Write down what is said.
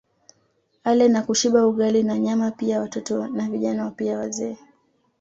Ale na kushiba Ugali na Nyama pia watoto na Vijana pia wazee